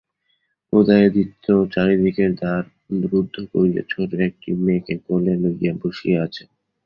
উদয়াদিত্য চারিদিকের দ্বার রুদ্ধ করিয়া ছােট একটি মেয়েকে কোলে লইয়া বসিয়া আছেন।